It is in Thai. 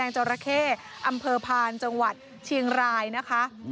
จราเข้อำเภอพานจังหวัดเชียงรายนะคะ